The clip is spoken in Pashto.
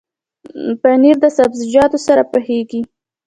پنېر د سابهجاتو سره پخېږي.